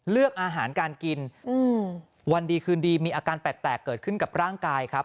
เลือกอาหารการกินวันดีคืนดีมีอาการแปลกเกิดขึ้นกับร่างกายครับ